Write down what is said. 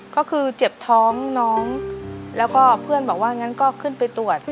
ก็คือเจ็บท้องน้องแล้วก็เพื่อนบอกว่างั้นก็ขึ้นไปตรวจ